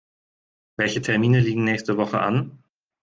Welche Termine liegen nächste Woche an?